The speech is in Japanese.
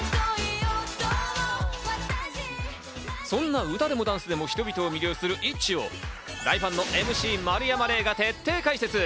そんな歌でもダンスでも人々を魅了するＩＴＺＹを大ファンのＭＣ丸山礼が徹底解説。